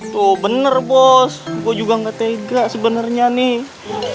tuh bener bos gue juga gak tega sebenarnya nih